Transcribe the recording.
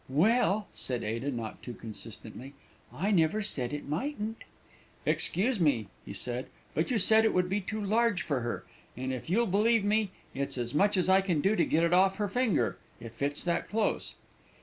"] "Well," said Ada, not too consistently, "I never said it mightn't!" "Excuse me," said he, "but you said it would be too large for her; and, if you'll believe me, it's as much as I can do to get it off her finger, it fits that close."